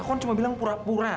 aku kan cuma bilang pura pura